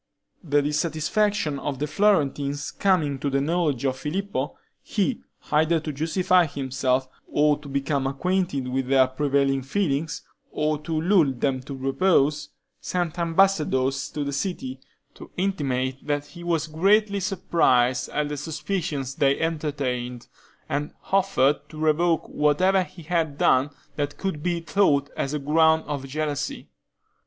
The dissatisfaction of the Florentines coming to the knowledge of Filippo, he, either to justify himself, or to become acquainted with their prevailing feelings, or to lull them to repose, sent ambassadors to the city, to intimate that he was greatly surprised at the suspicions they entertained, and offered to revoke whatever he had done that could be thought a ground of jealousy.